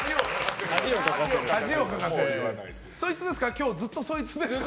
今日、ずっとそいつですか？